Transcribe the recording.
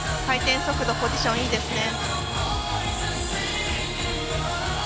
回転速度、ポジションいいですね。